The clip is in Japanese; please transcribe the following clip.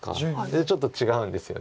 ちょっと違うんですよね。